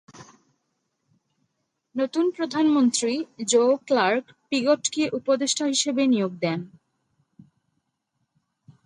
নতুন প্রধানমন্ত্রী Joe Clark পিগটকে উপদেষ্টা হিসেবে নিয়োগ দেন।